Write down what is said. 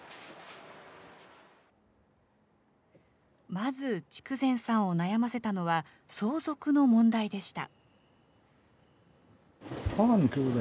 まず、筑前さんを悩ませたのは、相続の問題でした。